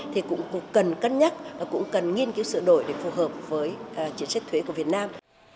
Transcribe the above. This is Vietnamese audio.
thì cũng cần cân nhắc và cũng cần nghiên cứu sửa đổi để phù hợp với chính sách thuế của việt nam